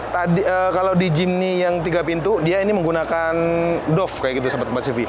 tadi kalau di jimny yang tiga pintu dia ini menggunakan dove kayak gitu sahabat kompastv